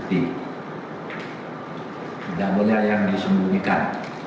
tidak boleh yang disembunyikan